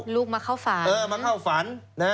ลูกมาเข้าฝัน